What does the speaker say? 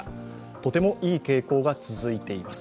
とてもいい傾向が続いています。